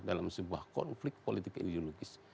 dalam sebuah konflik politik ideologis